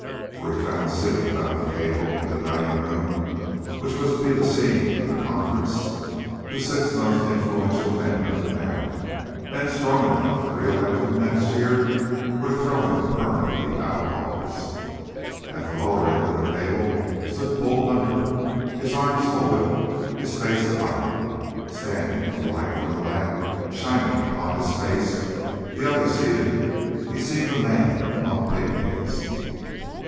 For he found sitting about the table in the dining room, which was to be the scene of the conference, the six most influential men of the town men strong enough to reelect him next year, or to throw him permanently out of office. At the lower end of the table stood Bull Hunter, his arms folded, his face blank. Standing with the light from the lamp shining upon his face, the others seated, he seemed a man among pygmies.